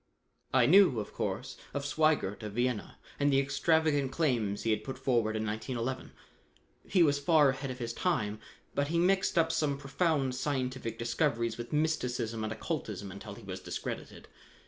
I knew, of course, of Sweigert of Vienna, and the extravagant claims he had put forward in 1911. He was far ahead of his time, but he mixed up some profound scientific discoveries with mysticism and occultism until he was discredited.